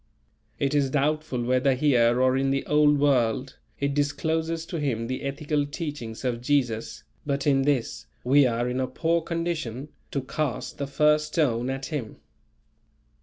It is doubtful whether here or in the Old World, it discloses to him the ethical teachings of Jesus; but in this, we are in a poor condition to "cast the first stone" at him.